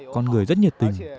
con người rất nhiệt tình